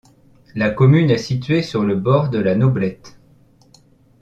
La commune est située sur le bord de la Noblette.